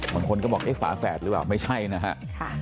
บางคนก็บอกเอ๊ะฝาแฝดหรือเปล่าไม่ใช่นะฮะ